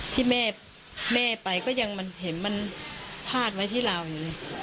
ที่แม่ไปก็ยังมันเห็นมันพาดไว้ที่เราอยู่เลย